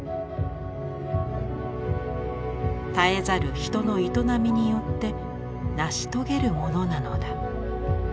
絶えざる人の営みによって成し遂げるものなのだ。